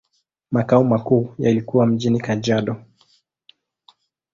Makao makuu yalikuwa mjini Kajiado.